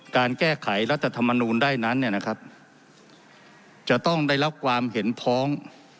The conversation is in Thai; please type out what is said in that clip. การแก้ไขรัฐธรรมนูลได้นั้นเนี่ยนะครับจะต้องได้รับความเห็นพ้อง